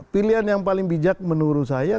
pilihan yang paling bijak menurut saya